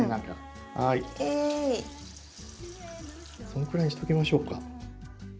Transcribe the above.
そのくらいにしておきましょうか。